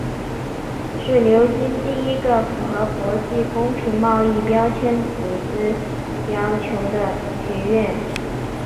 是牛津第一个符合国际公平贸易标签组织要求的学院。